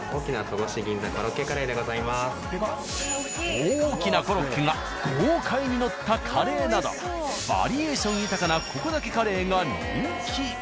大きなコロッケが豪快にのったカレーなどバリエーション豊かなココだけカレーが人気。